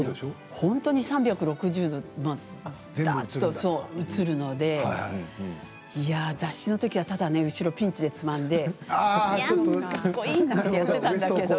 本当に３６０度、映るので雑誌のときは、ただ後ろピンチでつまんで、いやん、かっこいい！なんて言っていたんだけど。